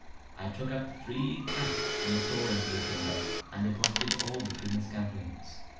I then took up three planks from the flooring of the chamber, and deposited all between the scantlings.